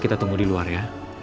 kita tunggu di luar ya